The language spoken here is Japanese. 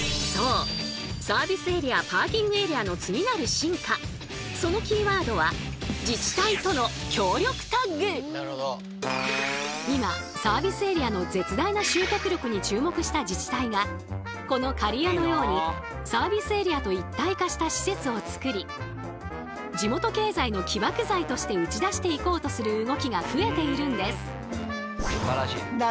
実はそうそのキーワードは今サービスエリアの絶大な集客力に注目した自治体がこの刈谷のようにサービスエリアと一体化した施設をつくり地元経済の起爆剤として打ち出していこうとする動きが増えているんです。